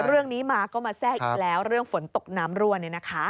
เรื่องนี้มาก็มาแทรกอีกแล้วเรื่องฝนตกน้ำรั่วเนี่ยนะคะ